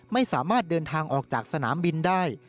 ไม่สามารถเดินทางออกจากสนามบินได้